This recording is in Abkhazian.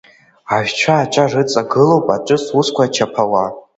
Ажәцәа аҿар рыҵагылоуп аҿыц усқәа чаԥауа.